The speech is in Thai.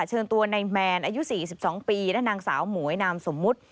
เชิญตัวในแมนอายุ๔๒ปีและนางสาวหมวยนามสมมุติ